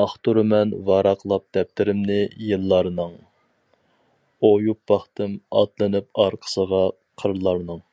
ئاختۇرىمەن ۋاراقلاپ دەپتىرىمنى يىللارنىڭ، ئۆيۈپ باقتىم ئاتلىنىپ ئارقىسىغا قىرلارنىڭ.